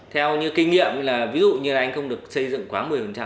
theo như kinh nghiệm là ví dụ như là anh không được xây dựng quá một mươi